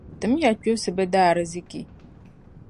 Tim ya kpibsi bɛ daarzichi.